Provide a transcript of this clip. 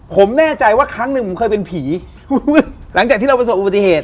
ผมแน่ใจว่าครั้งหนึ่งผมเคยเป็นผีหลังจากที่เราประสบอุบัติเหตุ